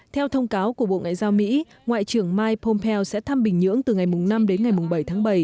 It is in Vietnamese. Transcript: theo thông cáo của bộ ngoại giao mỹ ngoại trưởng mike pompeo sẽ thăm bình nhưỡng từ ngày năm đến ngày bảy tháng bảy